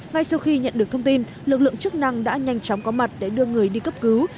ngay sau khi nhận được thông tin lực lượng chức năng đã nhanh chóng có mặt để đưa người đi cấp cứu